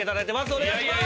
お願いします！